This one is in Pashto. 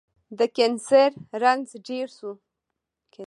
د کېنسر رنځ ډير سو